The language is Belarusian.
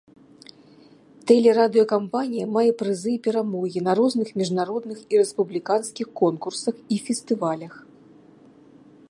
Тэлерадыёкампанія мае прызы і перамогі на розных міжнародных і рэспубліканскіх конкурсах і фестывалях.